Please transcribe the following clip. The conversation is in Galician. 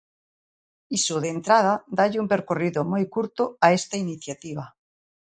Iso, de entrada, dálle un percorrido moi curto a esta iniciativa.